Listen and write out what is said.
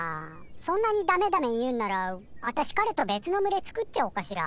そんなに「ダメダメ」言うんなら私彼と別の群れ作っちゃおうかしら？